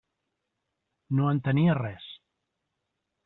No entenia res.